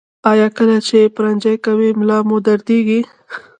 ایا کله چې پرنجی کوئ ملا مو دردیږي؟